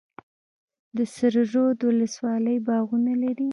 د سره رود ولسوالۍ باغونه لري